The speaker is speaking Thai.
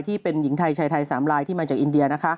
ที่เป็นหญิงไทยชายไทย๓ลายที่มาจากอินเดียนะคะ